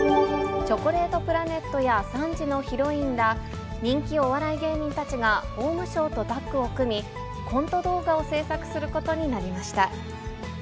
チョコレートプラネットや３時のヒロインら、人気お笑い芸人たちが法務省とタッグを組み、コント動画を制作することになりました。